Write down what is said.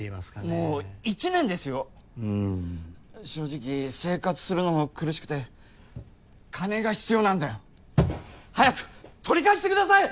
もう一年ですようん正直生活するのも苦しくて金が必要なんだよ早く取り返してください！